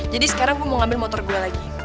jadi sekarang gue mau ambil motor gue lagi